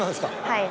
はい。